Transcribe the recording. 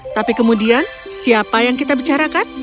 tapi kemudian siapa yang kita bicarakan